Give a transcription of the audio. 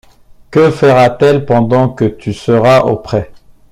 Que fera-t-elle pendant que tu seras au pré?